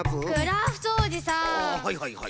あはいはいはい。